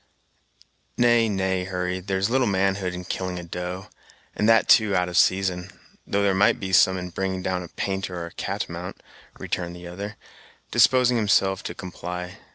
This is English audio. "Nay, nay, Hurry, there's little manhood in killing a doe, and that too out of season; though there might be some in bringing down a painter or a catamount," returned the other, disposing himself to comply.